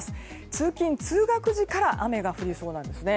通勤・通学時から雨が降りそうなんです。